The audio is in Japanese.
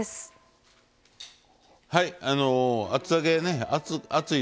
はい。